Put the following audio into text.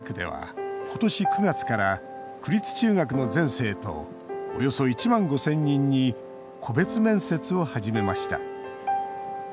東京・江戸川区では今年９月から区立中学の全生徒およそ１万５０００人に個別面接を始めました。